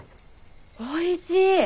おいしい！